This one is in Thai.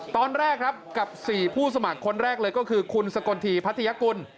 ตอนแรกครับกับ๔ผู้สมัครคนแรกเลยก็คือคุณสกลทีพัทยกุล